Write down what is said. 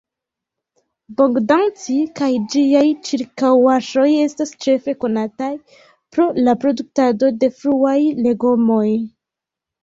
Bogdanci kaj ĝiaj ĉirkaŭaĵoj estas ĉefe konataj pro la produktado de fruaj legomoj.